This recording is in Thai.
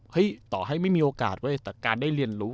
ต่อให้ไม่มีโอกาสเว้ยแต่การได้เรียนรู้